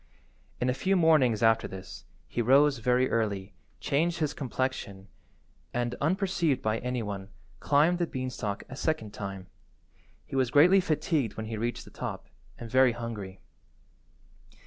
In a few mornings after this, he rose very early, changed his complexion, and, unperceived by any one, climbed the beanstalk a second time. He was greatly fatigued when he reached the top, and very hungry.